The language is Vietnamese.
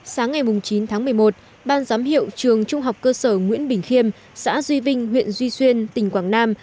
sáng ngày chín tháng một mươi một ban giám hiệu trường trung học cơ sở nguyễn bình khiêm xã duy vinh huyện duy xuyên tỉnh quảng nam